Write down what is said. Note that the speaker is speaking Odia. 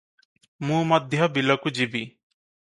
ମୁଁ ମଧ୍ୟ ବିଲକୁ ଯିବି ।